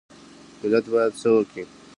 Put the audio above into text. ملت باید څه وکړي؟